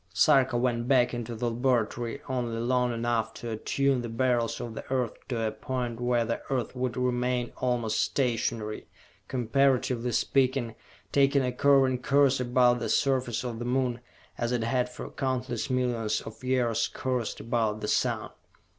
Sarka went back into the laboratory only long enough to attune the Beryls of the Earth to a point where the Earth would remain almost stationary, comparatively speaking, taking a curving course about the surface of the Moon, as it had for countless millions of years coursed about the Sun.